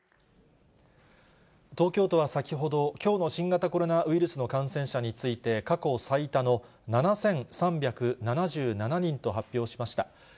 東京都は先ほど、きょうの新型コロナウイルスの感染者について、過去最多の７３７７人と発表しました。